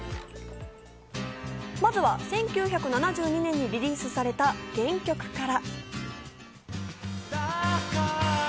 まずは１９７２年にリリースされた原曲から。